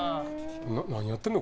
何やってるの？